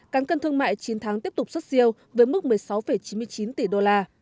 cán cân thương mại chín tháng tiếp tục xuất siêu với mức một mươi sáu chín mươi chín tỷ đô la